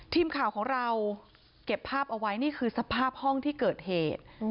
ทีมข่าวของเราเก็บภาพเอาไว้นี่คือสภาพห้องที่เกิดเหตุ